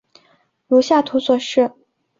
如下图所示。